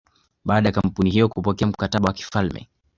Baada ya kampuni hiyo kupokea mkataba wa kifalme